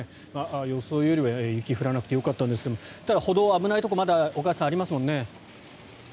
予想よりは雪が降らなくてよかったんですがただ歩道危ないところはまだ岡安さん、ありますもんね。